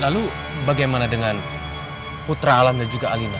lalu bagaimana dengan putra alam dan juga alina